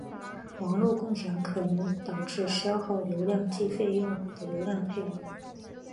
网络共享可能导致消耗流量计费用户的流量配额。